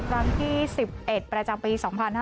ทางที่๑๑ประจำปี๒๕๖๕